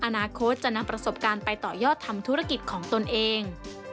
อนาคตจะนำประสบการณ์ไปต่อยอดทำธุรกิจของตนเอง